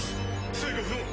制御不能。